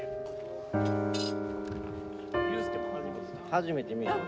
初めて見る。